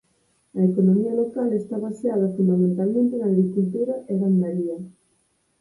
A economía local está baseada fundamentalmente na agricultura e gandaría.